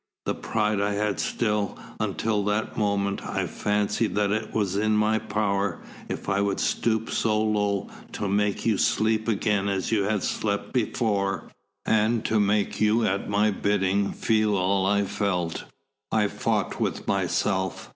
That pride I had still, until that moment. I fancied that it was in my power, if I would stoop so low, to make you sleep again as you had slept before, and to make you at my bidding feel all I felt. I fought with myself.